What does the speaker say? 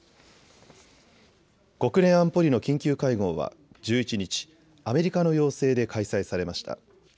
国連安保理の緊急会合は１１日アメリカの要請で開催されました。